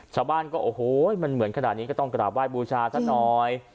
ชาวบ้านก็โอ้โหมันเหมือนขนาดนี้ก็ต้องกราบไห้บูชาซะหน่อย